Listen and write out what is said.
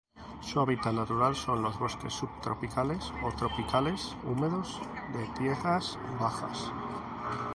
Su hábitat natural son los bosques subtropicales o tropicales húmedos de tierras bajas.